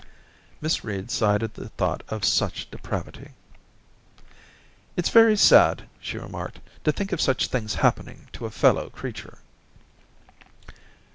Miss Reed sighed at the thought of such depravity. 'It's very sad,' she remarked, *to think of such things happening to a fellow creature.'